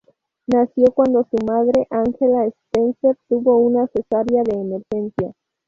Nació cuando su madre, Angela Spencer, tuvo una cesárea de emergencia.